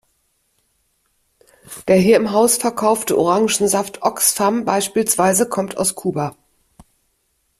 Der hier im Haus verkaufte Orangensaft Oxfam beispielsweise kommt aus Kuba.